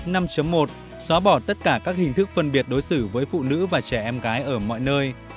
mục tiêu sáu xóa bỏ tất cả các hình thức phân biệt đối xử với phụ nữ và trẻ em gái ở mọi nơi